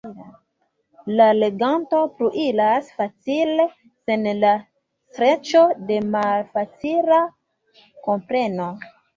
La leganto pluiras facile, sen la streĉo de malfacila kompreno.